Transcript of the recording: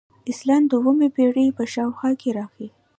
اسلام د اوومې پیړۍ په شاوخوا کې راغی